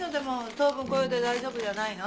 当分これで大丈夫じゃないの？